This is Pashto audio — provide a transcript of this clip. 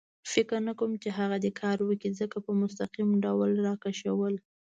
فکر نه کوم چې هغه دې کار وکړي، ځکه په مستقیم ډول را کشول.